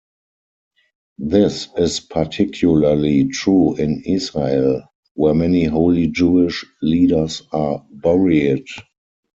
This is particularly true in Israel were many holy Jewish leaders are buried.